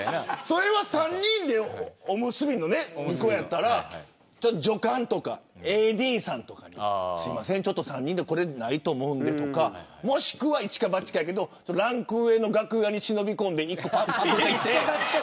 それは３人でおむすび２個やったら助監とかＡＤさんとかにすみません、３人で足りないと思うんでとかもしくは、いちかばちかやけどランク上の楽屋に忍び込んで１個ぱっと食べるとか。